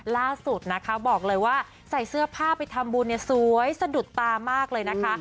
ล่าสุดนะคะบอกเลยว่าใส่เสื้อผ้าไปทำบุญเนี่ยสวยสะดุดตามากเลยนะคะ